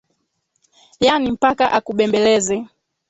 Yaani mpaka akubembeleze